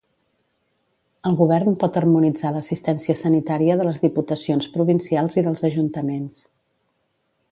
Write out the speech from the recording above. El govern pot harmonitzar l'assistència sanitària de les Diputacions Provincials i dels Ajuntaments.